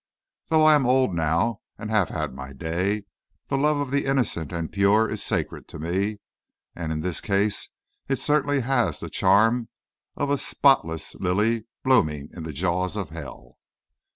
Though I am old now and have had my day, the love of the innocent and pure is sacred to me, and in this case it certainly has the charm of a spotless lily blooming in the jaws of hell.